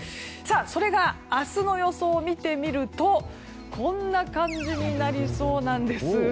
それが明日の予想を見てみるとこんな感じになりそうなんです。